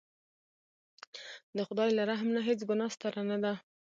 د خدای له رحم نه هېڅ ګناه ستره نه ده.